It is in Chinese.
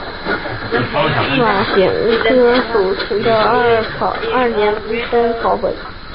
伞形科欧芹属的二年生草本。